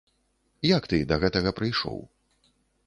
Як ты да гэтага прыйшоў?